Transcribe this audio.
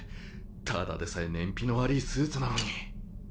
ただでさえ燃費の悪ぃスーツなのに。